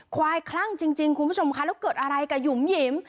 คลั่งจริงคุณผู้ชมคะแล้วเกิดอะไรกับหยุ่มหยิม